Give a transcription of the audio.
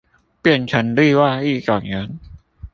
變成另外一種人